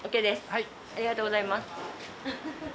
ありがとうございます。